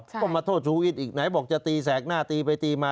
ก็มาโทษชูวิทย์อีกไหนบอกจะตีแสกหน้าตีไปตีมา